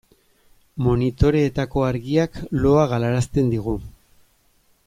Monitoreetako argiak loa galarazten digu.